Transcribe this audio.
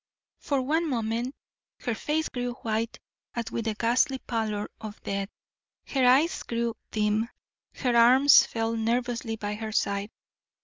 For one moment her face grew white as with the ghastly pallor of death, her eyes grew dim, her arms fell nervously by her side.